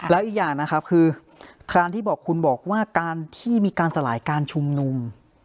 แล้วอีกอย่างนะครับคือการที่บอกคุณบอกว่าการที่มีการสลายการชุมนุม